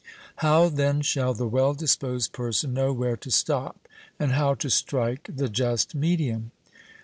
How, then, shall the well disposed person know where to stop, and how to strike the just medium?